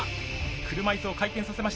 車いすを回転させました。